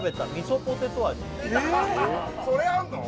それあんの？